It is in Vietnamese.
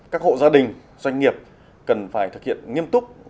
các hộ gia đình doanh nghiệp cần phải thực hiện nghiêm túc